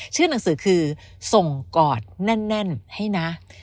ชื่อหนังสือคือส่งกอดแน่นให้นะ